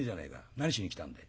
何しに来たんだい？」。